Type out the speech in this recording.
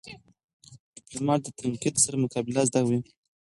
د ډيپلومات د تنقید سره مقابله زده وي.